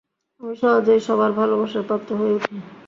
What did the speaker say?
আমি সহজেই সবার ভালোবাসার পাত্র হয়ে উঠি।